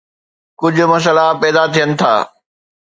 ڪجھ مسئلا پيدا ٿين ٿا